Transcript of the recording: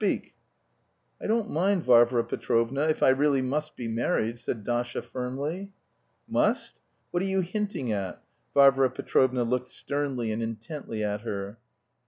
Speak!" "I don't mind, Varvara Petrovna, if I really must be married," said Dasha firmly. "Must? What are you hinting at?" Varvara Petrovna looked sternly and intently at her.